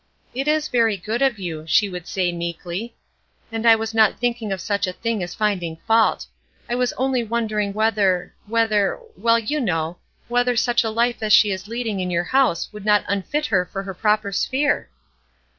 "It is very good of you," she would say, meekly, "and I was not thinking of such a thing as finding fault. I was only wondering whether whether well, you know whether such a life as she is leading in your house would not unfit her for her proper sphere?"